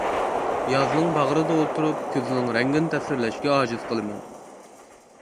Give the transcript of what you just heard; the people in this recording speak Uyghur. يازنىڭ باغرىدا ئولتۇرۇپ كۈزنىڭ رەڭگىنى تەسۋىرلەشكە ئاجىز قىلىمەن.